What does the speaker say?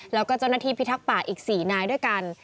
แล้วก็เจ้าหน้าที่พิทักษ์ป่าอีก๔นายด้วยกัน